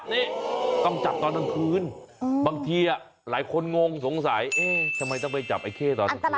ต้องจับตอนตั้งคืนบางทีหลายคนงงสงสัยทำไมต้องไปจับไอ้เค้ตอนตั้งคืน